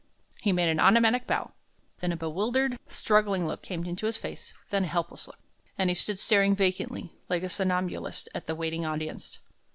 He made an automatic bow. Then a bewildered, struggling look came into his face, then a helpless look, and he stood staring vacantly, like a somnambulist, at the waiting audience.